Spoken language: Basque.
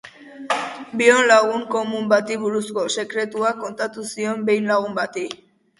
Bion lagun komun bati buruzko sekretua kontatu zion behin lagun bati.